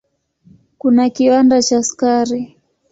Kuna kiwanda cha sukari.